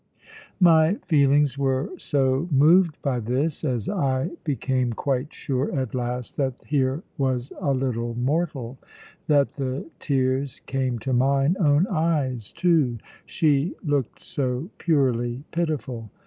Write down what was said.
My feelings were so moved by this, as I became quite sure at last that here was a little mortal, that the tears came to mine own eyes too, she looked so purely pitiful.